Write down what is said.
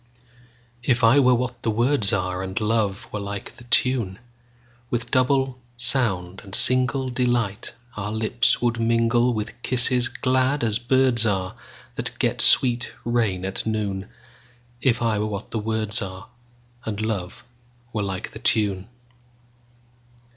If I were what the words are, And love were like the tune, With double sound and singleDelight our lips would mingle, With kisses glad as birds areThat get sweet rain at noon; If I were what the words areAnd love were like the tune.